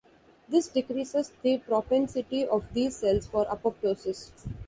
This decreases the propensity of these cells for apoptosis.